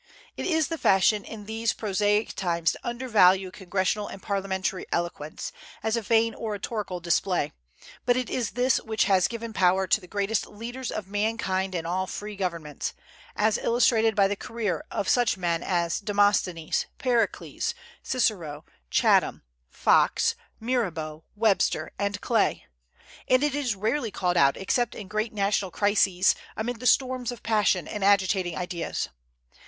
It is the fashion in these prosaic times to undervalue congressional and parliamentary eloquence, as a vain oratorical display; but it is this which has given power to the greatest leaders of mankind in all free governments, as illustrated by the career of such men as Demosthenes, Pericles, Cicero, Chatham, Fox, Mirabeau, Webster, and Clay; and it is rarely called out except in great national crises, amid the storms of passion and agitating ideas.